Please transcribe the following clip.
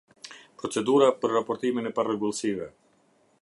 Procedura për raportimin e parregullsive.